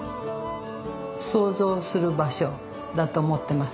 創造する場所だと思ってます。